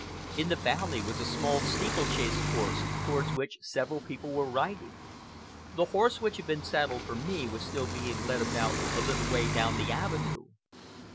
In the valley was a small steeplechase course, towards which several people were riding. The horse which had been saddled for me was still being led about a little way down the avenue.